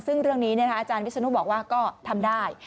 ซึ่งเรื่องนี้อาจารย์วิศนุบอกว่าก็ทำได้